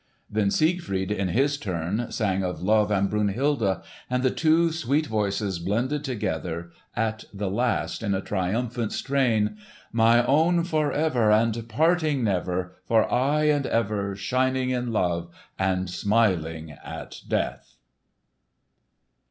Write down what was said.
Then Siegfried in his turn sang of love and Brunhilde. And the two sweet voices blended together at the last in a triumphant strain, "My own for ever, And parting never, For aye and ever. Shining in Love! And smiling at Death!"